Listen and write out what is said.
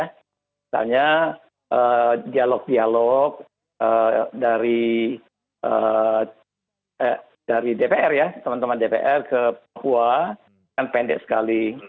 misalnya dialog dialog dari dpr ya teman teman dpr ke papua kan pendek sekali